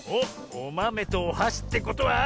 おまめとおはしってことは。